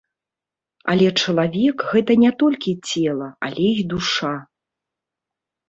Але чалавек гэта не толькі цела, але і душа.